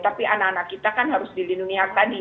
tapi anak anak kita kan harus dilindungi